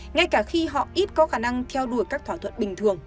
ngay cả khi họ ít có khả năng theo đuổi các thỏa thuận bình thường